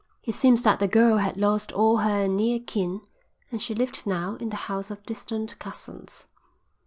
It seems that the girl had lost all her near kin and she lived now in the house of distant cousins.